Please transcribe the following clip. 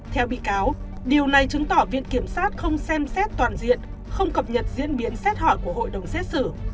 theo bị cáo điều này chứng tỏ viện kiểm sát không xem xét toàn diện không cập nhật diễn biến xét hỏi của hội đồng xét xử